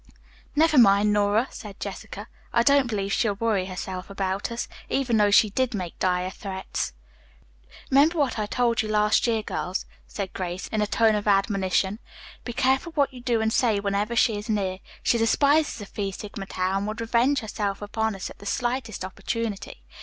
"Never mind, Nora," said Jessica, "I don't believe she'll worry herself about us, even though she did make dire threats." "Remember what I told you last year, girls," said Grace in a tone of admonition. "Be careful what you do and say whenever she is near. She despises the Phi Sigma Tau and would revenge herself upon us at the slightest opportunity.